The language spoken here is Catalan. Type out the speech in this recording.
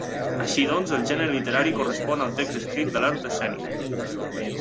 Així doncs, el gènere literari correspon al text escrit de l'art escènica.